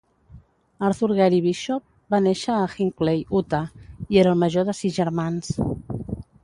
Arthur Gary Bishop va néixer a Hinckley, Utah, i era el major de sis germans.